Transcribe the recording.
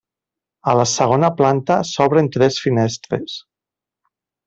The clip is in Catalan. A la segona planta s'obren tres finestres.